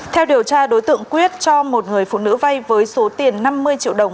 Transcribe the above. theo điều tra đối tượng quyết cho một người phụ nữ vay với số tiền năm mươi triệu đồng